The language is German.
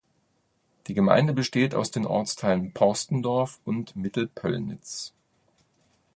Die Gemeinde besteht aus den Ortsteilen Porstendorf und Mittelpöllnitz.